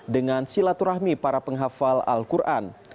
dengan silaturahmi para penghafal al quran